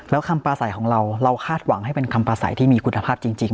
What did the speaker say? แล้วคำปลาใสของเราเราคาดหวังให้เป็นคำปลาใสที่มีคุณภาพจริง